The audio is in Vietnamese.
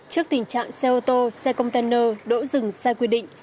trước tình trạng xe ô tô xe container đỗ dừng sai quy định